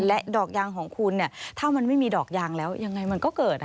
และดอกยางของคุณถ้ามันไม่มีดอกยางแล้วยังไงมันก็เกิด